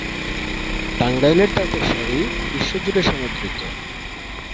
টাঙ্গাইলের তাঁতের শাড়ি বিশ্বজুড়ে সমাদৃত।